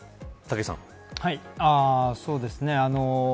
そうですね。